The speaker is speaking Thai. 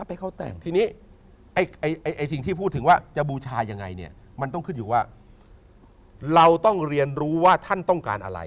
ได้เขาตอนแรกจะไม่ยอมแต่ง